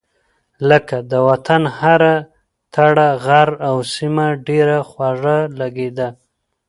لکه : د وطن هره تړه غر او سيمه ډېره خوږه لګېده.